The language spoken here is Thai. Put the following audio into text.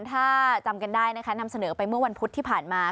ถ้าจำกันได้นะคะนำเสนอไปเมื่อวันพุธที่ผ่านมา